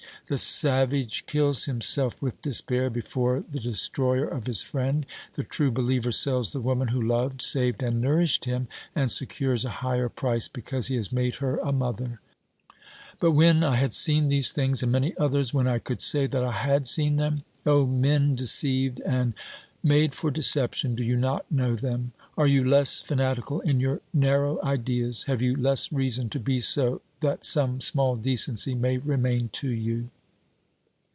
The savage kills himself with despair before the destroyer of his friend ; the true believer sells the woman who loved, saved and nourished him, and secures a higher price because he has made her a mother. But when I liad seen these things and many others, when I could say that I had seen them — O men deceived and made for deception, do you not know them? Are you less fanatical in your narrow ideas? Have you less reason to be so that some small decency may remain to you